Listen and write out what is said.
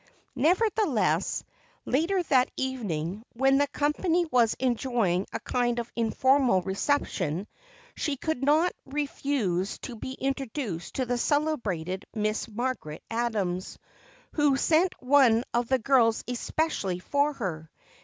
Nevertheless, later that evening, when the company was enjoying a kind of informal reception, she could not refuse to be introduced to the celebrated Miss Margaret Adams, who sent one of the girls especially for her.